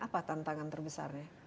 apa tantangan terbesarnya